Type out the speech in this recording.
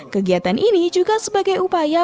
kegiatan ini juga sebagai upaya